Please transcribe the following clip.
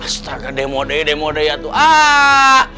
astaga demo deh demo deh ya tuh